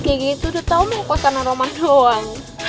kayak gitu udah tau mah kekuasaan roman doang